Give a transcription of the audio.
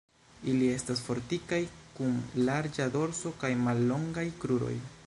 Ili estas fortikaj, kun larĝa dorso kaj mallongaj kruroj.